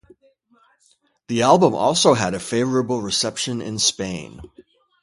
The album also had a favorable reception in Spain.